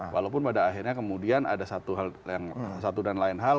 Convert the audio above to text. walaupun pada akhirnya kemudian ada satu dan lain hal